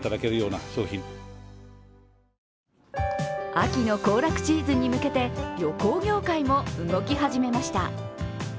秋の行楽シーズンに向けて旅行業界も動きだしました。